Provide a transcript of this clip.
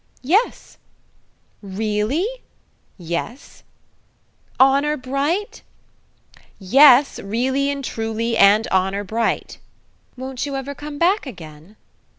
"Yes." "Really?" "Yes." "Honour bright?" "Yes; really and truly and honour bright." "Won't you ever come back again?"